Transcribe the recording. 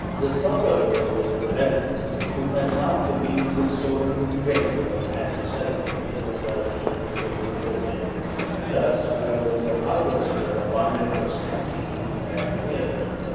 The sufferer was the peasant, who had not the means of storing his grain but had to sell it to the wealthy who could withhold it, and thus, whether the harvests were abundant or scanty he fared ill.